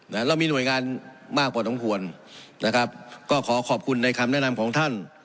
เรามีหน่วยงานมากพอสมควรนะครับก็ขอขอบคุณในคำแนะนำของท่าน